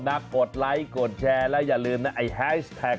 ด้วยหลายสัตว์กลับคุมชมกดไลค์ลัยกดแชร์และอย่าลืมไอให้น่ะ